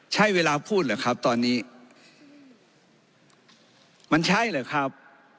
ใช่เวลาพูดเหรอครับตอนนี้มันใช่เหรอครับ